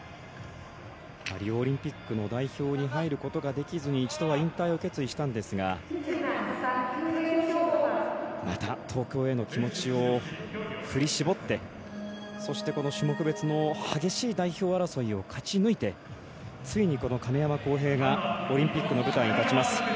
リオオリンピックの代表に入ることができずに一度は引退を決意したんですがまた東京への気持ちを振り絞ってそして、この種目別の激しい代表争いを勝ち抜いてついに、亀山耕平がオリンピックの舞台に立ちます。